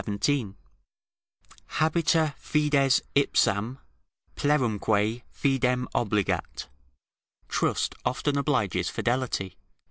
] "Habita fides ipsam plerumque fidem obligat." ["Trust often obliges fidelity."